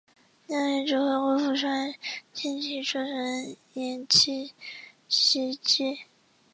李任与指挥顾福帅精骑出城掩击袭击。